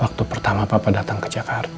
waktu pertama papa datang ke jakarta